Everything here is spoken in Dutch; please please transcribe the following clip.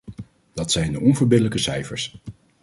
Dat zijn de onverbiddelijke cijfers.